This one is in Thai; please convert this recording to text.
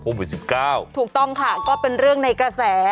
ถูกต้องค่ะก็เป็นเรื่องในกระแส